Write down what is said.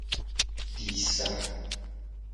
Di sa.